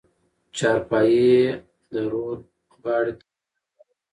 چارپايي يې د رود غاړې ته راوړه.